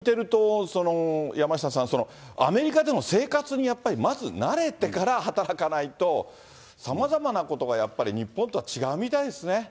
いっぱい美術館とかありますけども、ただ、今、お話を聞いてると、山下さん、アメリカでの生活にやっぱり、まず慣れてから働かないと、さまざまなことがやっぱり、日本とは違うみたいですね。